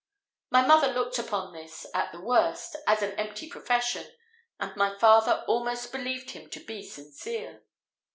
My mother looked upon this, at the worst, as an empty profession, and my father almost believed him to be sincere.